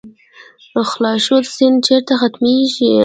خاشرود سیند چیرته ختمیږي؟